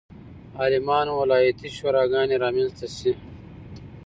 عالمانو ولایتي شوراګانې رامنځته شي.